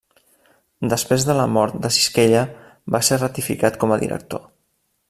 Després de la mort de Sisquella, va ser ratificat com a director.